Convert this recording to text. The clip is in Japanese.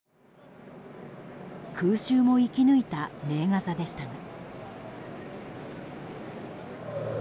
空襲も生き抜いた名画座でしたが。